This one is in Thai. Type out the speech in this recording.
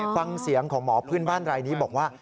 ฟังเสียงของหมอพื้นบ้านรายนี้บอกว่า